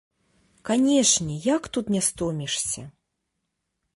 Канешне, як тут не стомішся!